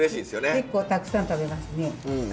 結構たくさん食べますね。